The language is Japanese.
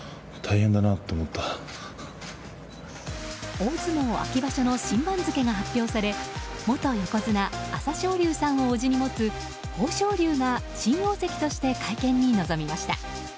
大相撲秋場所の新番付が発表され元横綱・朝青龍さんをおじに持つ豊昇龍が新大関として会見に臨みました。